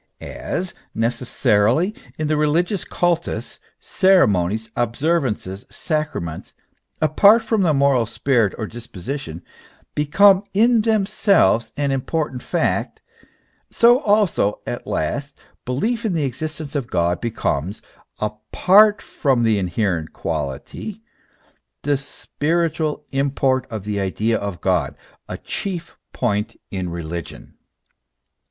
As, necessarily, in the religious cultus, ceremonies, observances, sacraments, apart from the moral spirit or disposition, become in themselves an important fact : so also, at last, belief in the existence of God becomes, apart from the inherent quality, the spiritual import of the idea of God, a chief point in religion.